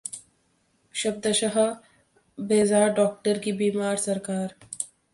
शब्दशः: बेजार डॉक्टर की बीमार सरकार